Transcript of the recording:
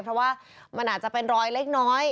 เพราะว่ามันอาจจะเป็นรอยเล็กน้อย